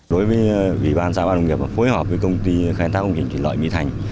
đối với vị bán xã bán đồng nghiệp và phối hợp với công ty khai thác công trình chuyển loại mỹ thành